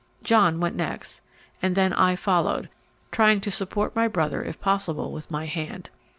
John went next, and then I followed, trying to support my brother if possible with my hand.